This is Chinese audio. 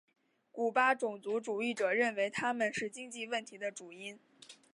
古巴种族主义者认为他们是经济问题的主因。